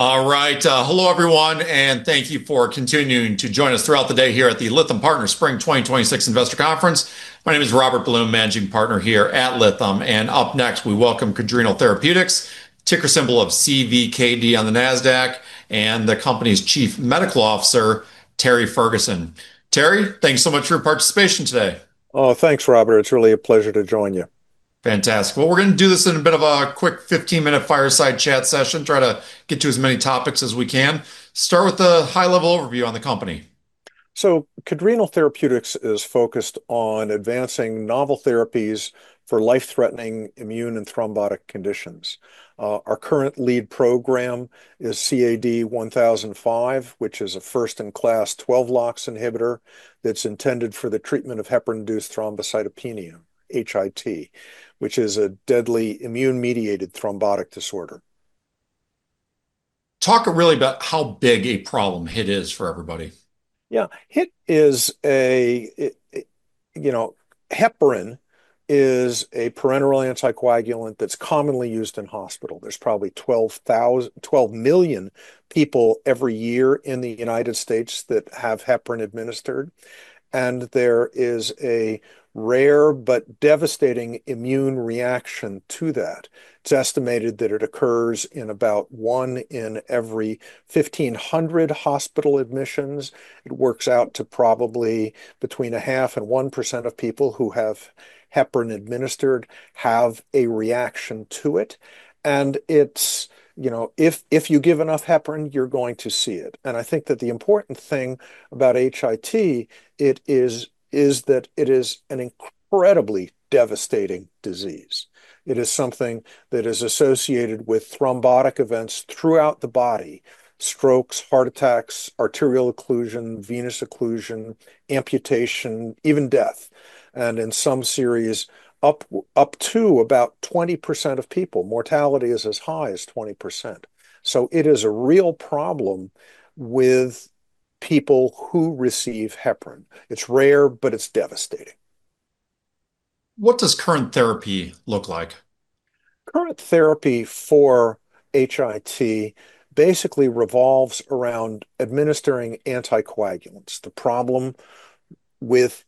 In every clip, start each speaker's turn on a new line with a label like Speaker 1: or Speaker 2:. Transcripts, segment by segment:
Speaker 1: All right. Hello everyone, thank you for continuing to join us throughout the day here at the Lytham Partners Spring 2026 Investor Conference. My name is Robert Blum, Managing Partner here at Lytham. Up next, we welcome Cadrenal Therapeutics, ticker symbol of CVKD on the NASDAQ, and the company's Chief Medical Officer, James Ferguson. James, thanks so much for your participation today.
Speaker 2: Oh, thanks, Robert. It's really a pleasure to join you.
Speaker 1: Fantastic. Well, we're going to do this in a bit of a quick 15-minute fireside chat session, try to get to as many topics as we can. Start with a high-level overview on the company.
Speaker 2: Cadrenal Therapeutics is focused on advancing novel therapies for life-threatening immune and thrombotic conditions. Our current lead program is CAD-1005, which is a first-in-class 12-LOX inhibitor that's intended for the treatment of heparin-induced thrombocytopenia, HIT, which is a deadly immune-mediated thrombotic disorder.
Speaker 1: Talk really about how big a problem HIT is for everybody.
Speaker 2: Heparin is a parenteral anticoagulant that's commonly used in hospital. There's probably 12 million people every year in the U.S. that have heparin administered, and there is a rare but devastating immune reaction to that. It's estimated that it occurs in about one in every 1,500 hospital admissions. It works out to probably between 0.5% and 1% of people who have heparin administered have a reaction to it. If you give enough heparin, you're going to see it. I think that the important thing about HIT is that it is an incredibly devastating disease. It is something that is associated with thrombotic events throughout the body, strokes, heart attacks, arterial occlusion, venous occlusion, amputation, even death, and in some series, up to about 20% of people. Mortality is as high as 20%. It is a real problem with people who receive heparin. It's rare, but it's devastating.
Speaker 1: What does current therapy look like?
Speaker 2: Current therapy for HIT basically revolves around administering anticoagulants. The problem with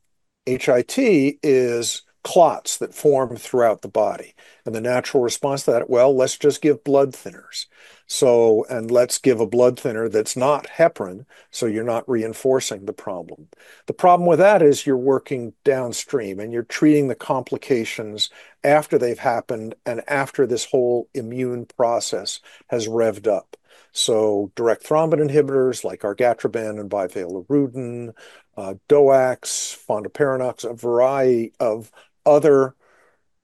Speaker 2: HIT is clots that form throughout the body, and the natural response to that, well, let's just give blood thinners. Let's give a blood thinner that's not heparin, so you're not reinforcing the problem. The problem with that is you're working downstream, and you're treating the complications after they've happened and after this whole immune process has revved up. Direct thrombin inhibitors like argatroban and bivalirudin, DOACs, fondaparinux, a variety of other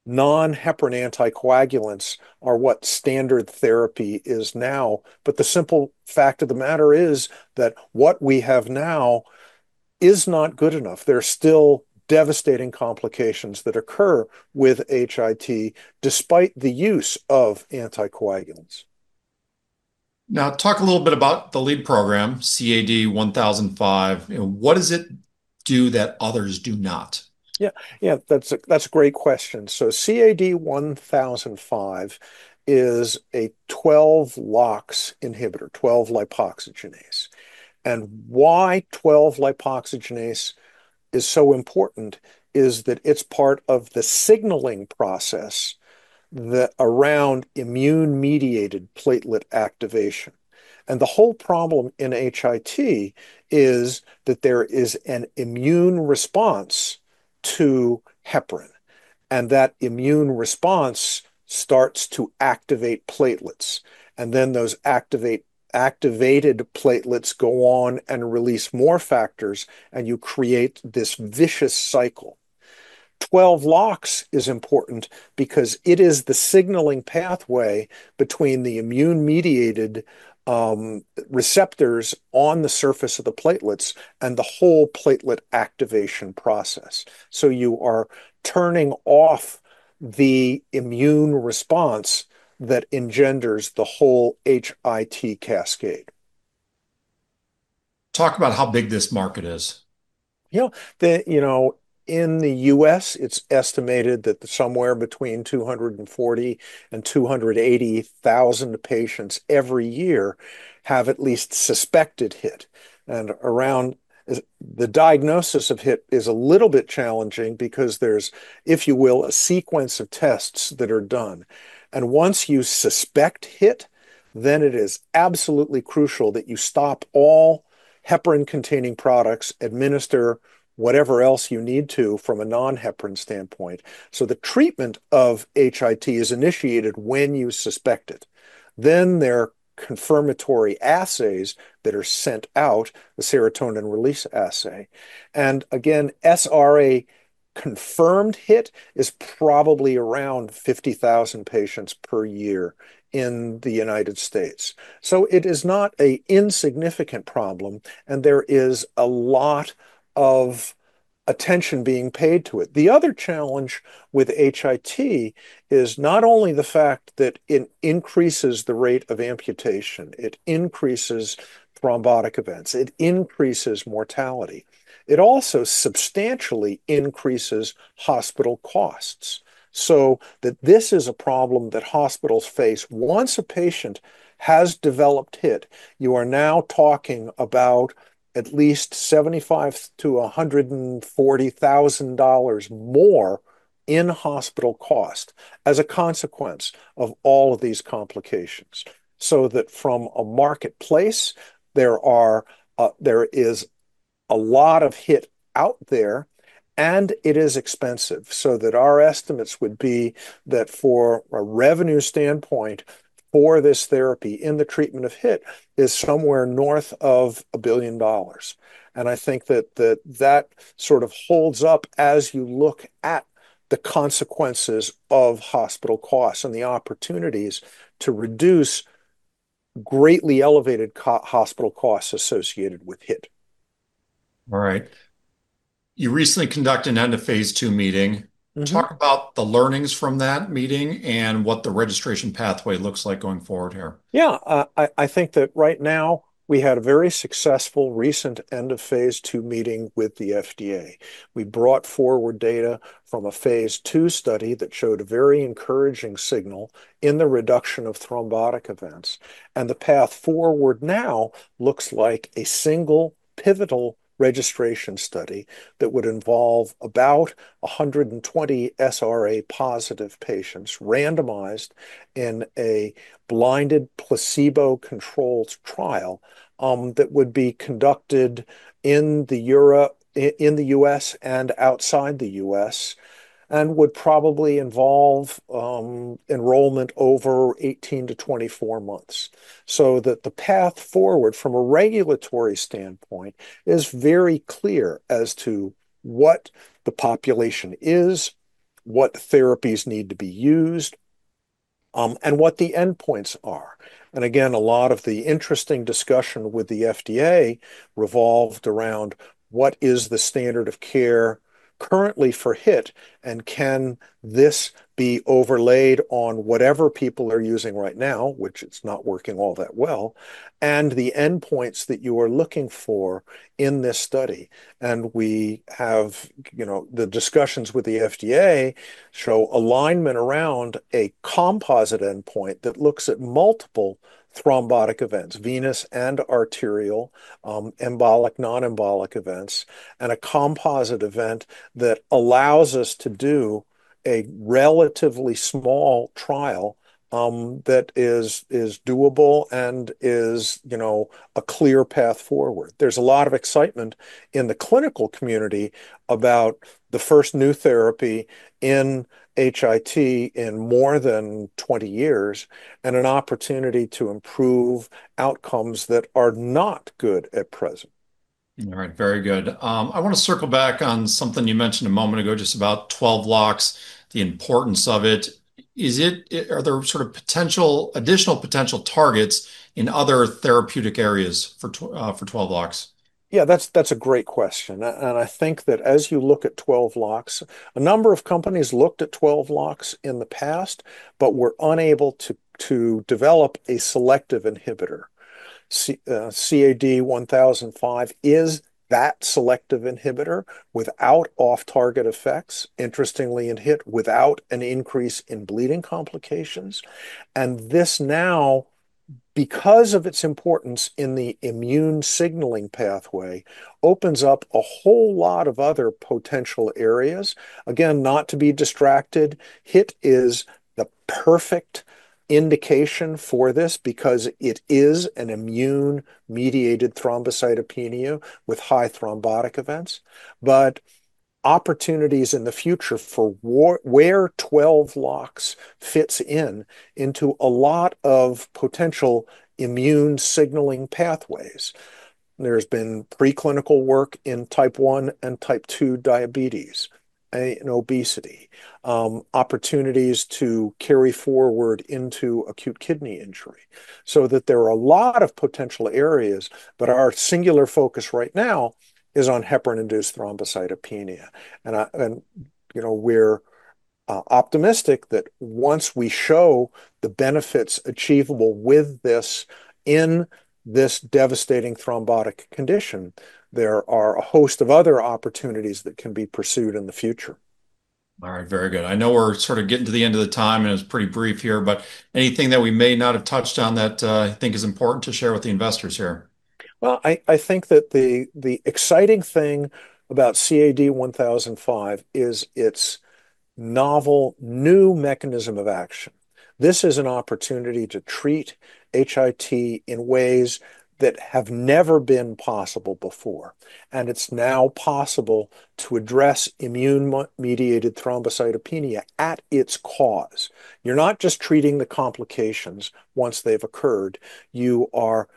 Speaker 2: non-heparin anticoagulants are what standard therapy is now. The simple fact of the matter is that what we have now is not good enough. There are still devastating complications that occur with HIT despite the use of anticoagulants.
Speaker 1: Talk a little bit about the lead program, CAD-1005. What does it do that others do not?
Speaker 2: Yeah. That's a great question. CAD-1005 is a 12-LOX inhibitor, 12-lipoxygenase. Why 12-lipoxygenase is so important is that it's part of the signaling process around immune-mediated platelet activation. The whole problem in HIT is that there is an immune response to heparin, and that immune response starts to activate platelets, and then those activated platelets go on and release more factors, and you create this vicious cycle. 12-LOX is important because it is the signaling pathway between the immune-mediated receptors on the surface of the platelets and the whole platelet activation process. You are turning off the immune response that engenders the whole HIT cascade.
Speaker 1: Talk about how big this market is.
Speaker 2: In the U.S., it's estimated that somewhere between 240,000 and 280,000 patients every year have at least suspected HIT. The diagnosis of HIT is a little bit challenging because there's, if you will, a sequence of tests that are done. Once you suspect HIT, it is absolutely crucial that you stop all heparin-containing products, administer whatever else you need to from a non-heparin standpoint. The treatment of HIT is initiated when you suspect it. There are confirmatory assays that are sent out, the serotonin release assay. Again, SRA confirmed HIT is probably around 50,000 patients per year in the United States. It is not a insignificant problem, and there is a lot of attention being paid to it. The other challenge with HIT is not only the fact that it increases the rate of amputation, it increases thrombotic events, it increases mortality. It also substantially increases hospital costs, so that this is a problem that hospitals face. Once a patient has developed HIT, you are now talking about at least $75,000-$140,000 more in hospital cost as a consequence of all of these complications. From a marketplace, there is a lot of HIT out there, and it is expensive, so that our estimates would be that for a revenue standpoint for this therapy in the treatment of HIT is somewhere north of $1 billion. I think that sort of holds up as you look at the consequences of hospital costs and the opportunities to reduce greatly elevated hospital costs associated with HIT.
Speaker 1: All right. You recently conducted an end of phase II meeting. Talk about the learnings from that meeting and what the registration pathway looks like going forward here.
Speaker 2: I think that right now we had a very successful recent end of phase II meeting with the FDA. We brought forward data from a phase II study that showed a very encouraging signal in the reduction of thrombotic events. The path forward now looks like a single pivotal registration study that would involve about 120 SRA-positive patients randomized in a blinded placebo-controlled trial, that would be conducted in the U.S. and outside the U.S., and would probably involve enrollment over 18-24 months. The path forward from a regulatory standpoint is very clear as to what the population is, what therapies need to be used, and what the endpoints are. Again, a lot of the interesting discussion with the FDA revolved around what is the standard of care currently for HIT and can this be overlaid on whatever people are using right now, which it's not working all that well, and the endpoints that you are looking for in this study. We have the discussions with the FDA show alignment around a composite endpoint that looks at multiple thrombotic events, venous and arterial, embolic, non-embolic events, and a composite event that allows us to do a relatively small trial, that is doable and is a clear path forward. There's a lot of excitement in the clinical community about the first new therapy in HIT in more than 20 years, and an opportunity to improve outcomes that are not good at present.
Speaker 1: All right. Very good. I want to circle back on something you mentioned a moment ago, just about 12-LOX, the importance of it. Are there additional potential targets in other therapeutic areas for 12-LOX?
Speaker 2: Yeah, that's a great question. I think that as you look at 12-LOX, a number of companies looked at 12-LOX in the past but were unable to develop a selective inhibitor. CAD-1005 is that selective inhibitor without off-target effects, interestingly in HIT, without an increase in bleeding complications. This now, because of its importance in the immune signaling pathway, opens up a whole lot of other potential areas. Again, not to be distracted, HIT is the perfect indication for this because it is an immune-mediated thrombocytopenia with high thrombotic events. Opportunities in the future for where 12-LOX fits in into a lot of potential immune signaling pathways. There's been preclinical work in type 1 and type 2 diabetes and obesity, opportunities to carry forward into acute kidney injury, so that there are a lot of potential areas. Our singular focus right now is on heparin-induced thrombocytopenia, and we're optimistic that once we show the benefits achievable with this in this devastating thrombotic condition, there are a host of other opportunities that can be pursued in the future.
Speaker 1: All right. Very good. I know we're sort of getting to the end of the time, and it was pretty brief here, but anything that we may not have touched on that I think is important to share with the investors here?
Speaker 2: I think that the exciting thing about CAD-1005 is its novel new mechanism of action. This is an opportunity to treat HIT in ways that have never been possible before. It's now possible to address immune-mediated thrombocytopenia at its cause. You're not just treating the complications once they've occurred. You are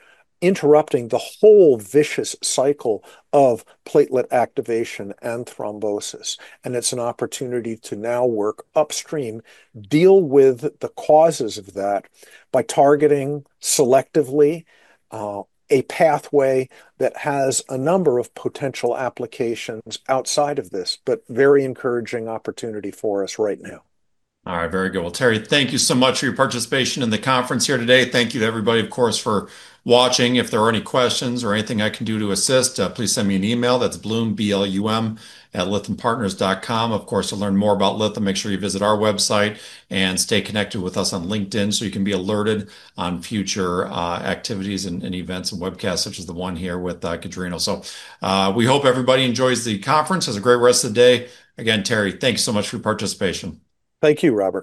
Speaker 2: interrupting the whole vicious cycle of platelet activation and thrombosis. It's an opportunity to now work upstream, deal with the causes of that by targeting selectively, a pathway that has a number of potential applications outside of this, but very encouraging opportunity for us right now.
Speaker 1: All right. Very good. Well, James Ferguson, thank you so much for your participation in the conference here today. Thank you to everybody, of course, for watching. If there are any questions or anything I can do to assist, please send me an email. That's Robert Blum, @lythampartners.com. Of course, to learn more about Lytham, make sure you visit our website and stay connected with us on LinkedIn so you can be alerted on future activities and events and webcasts such as the one here with Cadrenal. We hope everybody enjoys the conference, has a great rest of the day. Again, James Ferguson, thank you so much for your participation.
Speaker 2: Thank you, Robert.